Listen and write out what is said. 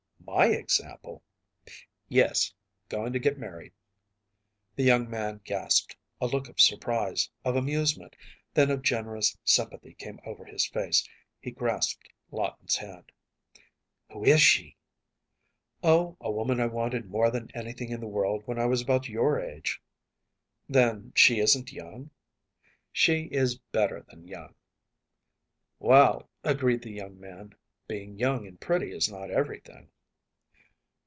‚ÄĚ “My example?‚ÄĚ “Yes, going to get married.‚ÄĚ The young man gasped. A look of surprise, of amusement, then of generous sympathy came over his face. He grasped Lawton’s hand. “Who is she?‚ÄĚ “Oh, a woman I wanted more than anything in the world when I was about your age.‚ÄĚ “Then she isn’t young?‚ÄĚ “She is better than young.‚ÄĚ ‚ÄúWell,‚ÄĚ agreed the young man, “being young and pretty is not everything.